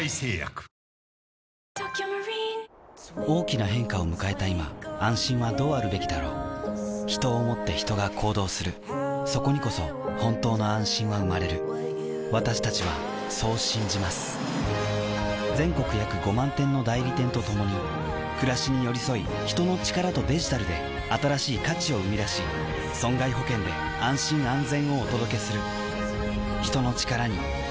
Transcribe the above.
大きな変化を迎えた今安心はどうあるべきだろう人を思って人が行動するそこにこそ本当の安心は生まれる私たちはそう信じます全国約５万店の代理店とともに暮らしに寄り添い人の力とデジタルで新しい価値を生み出し損害保険で安心・安全をお届けする人の力に。